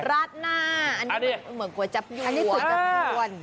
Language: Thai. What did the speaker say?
เหมือนราชน่าอันนี้เหมือนกว่าจับยูน